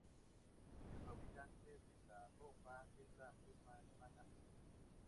El fabricante de la ropa es la firma alemana Puma.